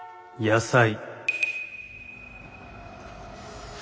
野菜？